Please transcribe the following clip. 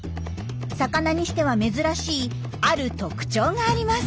魚にしては珍しいある特徴があります。